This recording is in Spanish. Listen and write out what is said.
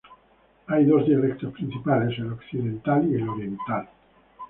Hay dos dialectos principales, el occidental y el oriental.